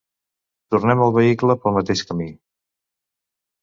Tornem al vehicle pel mateix camí.